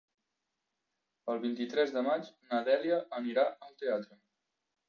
El vint-i-tres de maig na Dèlia anirà al teatre.